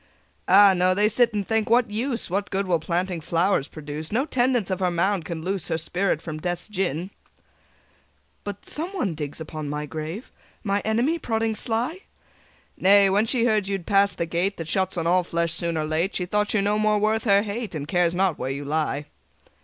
"Ah, no: they sit and think, 'What use! What good will planting flowers produce? No tendance of her mound can loose Her spirit from Death's gin.'" "But someone digs upon my grave? My enemy? prodding sly?" "Nay: when she heard you had passed the Gate That shuts on all flesh soon or late, She thought you no more worth her hate, And cares not where you lie.